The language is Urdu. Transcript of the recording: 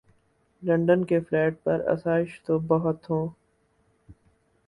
لندن کے فلیٹ پر آسائش تو بہت ہوں۔